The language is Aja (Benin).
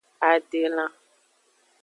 Adelan.